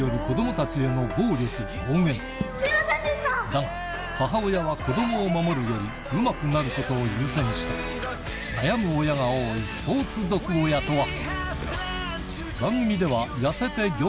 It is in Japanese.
だが母親は子供を守るよりうまくなることを優先した悩む親が多い「スポーツ毒親」とは？